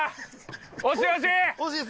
惜しい惜しい！